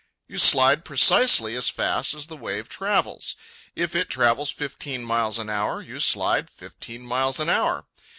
You slide precisely as fast as the wave travels. If it travels fifteen miles an hour, you slide fifteen miles an hour.